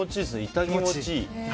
痛気持ちいい。